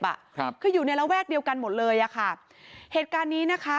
ครับคืออยู่ในระแวกเดียวกันหมดเลยอ่ะค่ะเหตุการณ์นี้นะคะ